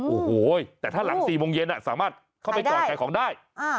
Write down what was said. โอ้โหแต่ถ้าหลัง๔โมงเย็นสามารถเข้าไปจอดขายของได้